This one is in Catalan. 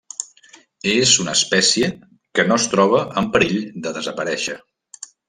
És una espècie que no es troba en perill de desaparèixer.